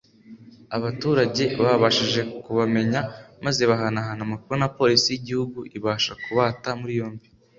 Abaturage babashije kubamenya maze bahanahana amakuru na Polisi y’igihugu ibasha kubata muri yombi